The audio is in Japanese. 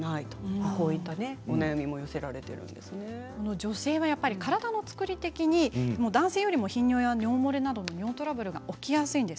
女性は体の作り的に男性よりも頻尿や、尿漏れなどの尿トラブルが起きやすいんです。